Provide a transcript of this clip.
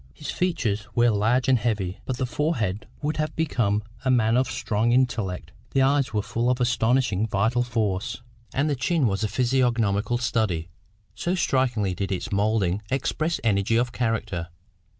His features were large and heavy, but the forehead would have become a man of strong intellect; the eyes were full of astonishing vital force, and the chin was a physiognomical study, so strikingly did its moulding express energy of character.